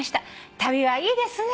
「旅はいいですね」